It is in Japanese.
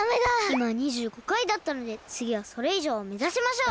いま２５回だったのでつぎはそれいじょうをめざしましょう！だね！